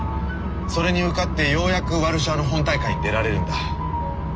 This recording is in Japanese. それに受かってようやくワルシャワの本大会に出られるんだ。